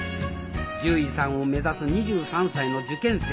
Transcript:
獣医さんを目指す２３歳の受験生。